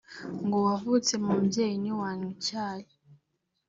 ngo wavutse mu mbyeyi ntiwanywa icyayi